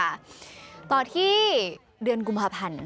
ใช่ค่ะต่อที่เดือนกุมภาพันธ์